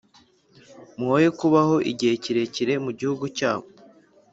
mwoye kubaho igihe kirekire mu gihugu cyabo